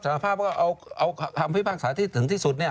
แสดงภาพว่าเอาคำพิภาคศาสตร์ที่ถึงที่สุด